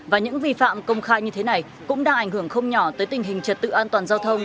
và những vi phạm công khai như thế này cũng đã ảnh hưởng không nhỏ tới tình hình trật tự an toàn giao thông